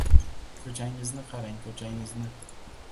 Ko‘changizni qarang, ko‘changizni!